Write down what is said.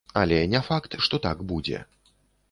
Але не факт, што так будзе.